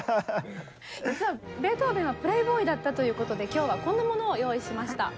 実はベートーベンはプレーボーイだったということで今日はこんなものを用意しました。